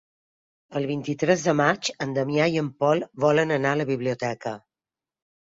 El vint-i-tres de maig en Damià i en Pol volen anar a la biblioteca.